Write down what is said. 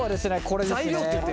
これですね。